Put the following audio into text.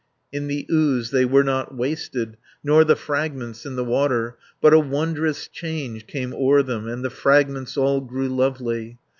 In the ooze they were not wasted, Nor the fragments in the water, 230 But a wondrous change came o'er them, And the fragments all grew lovely.